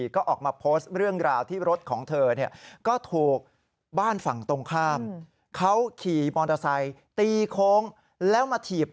ก็ออกมาโพสต์เรื่องราว